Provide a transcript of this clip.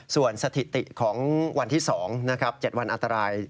ส่วนสถิติของวันที่๒นะครับ๗วันอันตราย